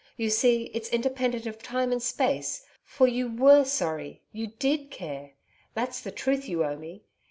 You see, it's independent of time and space! for you WERE sorry you DID care. That's the truth you owe me.